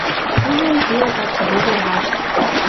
Кузен кеӓ качы логер вашт.